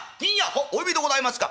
「はっお呼びでございますか」。